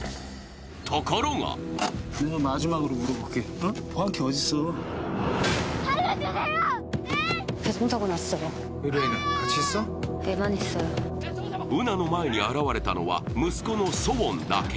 ところがウナの前に現れたのは息子のソウォンだけ。